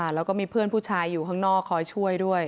แล้วก็มีเพื่อนผู้ชายอยู่ข้างนอกคอยช่วยด้วย